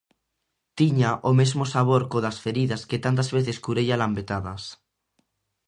Tiña o mesmo sabor có das feridas que tantas veces curei a lambetadas.